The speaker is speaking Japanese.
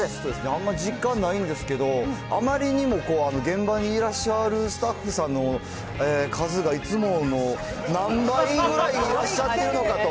あんま実感ないんですけど、あまりにも現場にいらっしゃるスタッフさんの数がいつもの何倍ぐらいいらっしゃってるのかと。